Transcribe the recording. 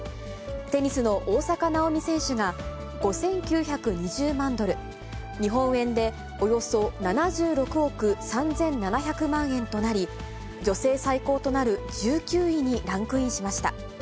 テニスの大坂なおみ選手が５９２０万ドル、日本円でおよそ７６億３７００万円となり、女性最高となる１９位にランクインしました。